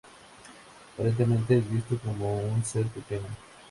Aparentemente, es visto como un ser pequeño.